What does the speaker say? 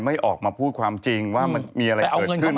ออกมาพูดความจริงว่ามันมีอะไรเกิดขึ้น